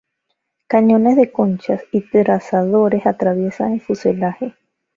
Cañones de conchas y trazadores atraviesan el fuselaje.